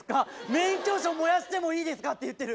「免許証燃やしてもいいですか？」って言ってる。